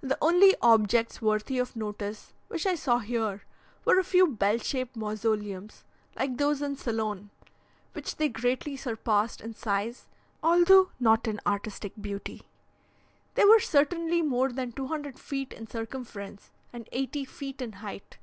The only objects worthy of notice which I saw here, were a few bell shaped mausoleums, like those in Ceylon, which they greatly surpassed in size, although not in artistic beauty; they were certainly more than 200 feet in circumference, and eighty feet in height.